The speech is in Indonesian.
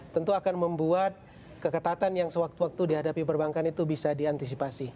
tentu akan membuat keketatan yang sewaktu waktu dihadapi perbankan itu bisa diantisipasi